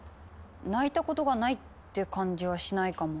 泣いたことがないって感じはしないかも。